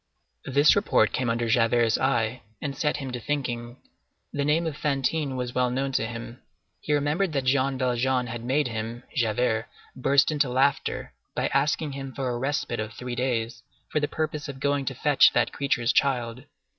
This report came under Javert's eye and set him to thinking. The name of Fantine was well known to him. He remembered that Jean Valjean had made him, Javert, burst into laughter, by asking him for a respite of three days, for the purpose of going to fetch that creature's child.